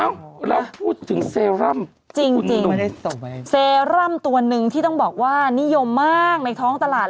เราพูดถึงเซรั่มจริงเซรั่มตัวหนึ่งที่ต้องบอกว่านิยมมากในท้องตลาด